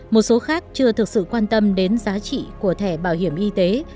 một số khác chưa thực sự quan tâm đến giá trị của thẻ bảo hiểm y tế